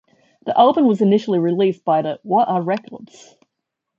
The album was initially released by the What Are Records?